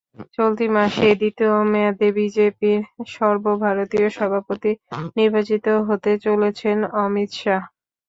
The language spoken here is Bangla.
চলতি মাসেই দ্বিতীয় মেয়াদে বিজেপির সর্বভারতীয় সভাপতি নির্বাচিত হতে চলেছেন অমিত শাহ।